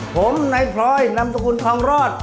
ผมนายพลอยนำสกุลทองรอด